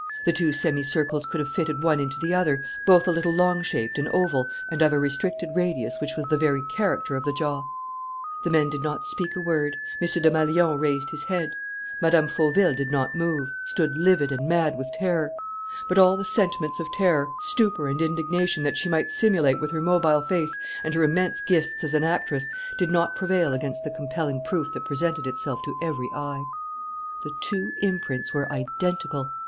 The two semicircles could have fitted one into the other, both very narrow, both a little long shaped and oval and of a restricted radius which was the very character of the jaw. The men did not speak a word. M. Desmalions raised his head. Mme. Fauville did not move, stood livid and mad with terror. But all the sentiments of terror, stupor and indignation that she might simulate with her mobile face and her immense gifts as an actress, did not prevail against the compelling proof that presented itself to every eye. The two imprints were identical!